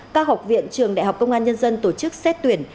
các học viện trường đại học công an nhân dân tổ chức xét tuyển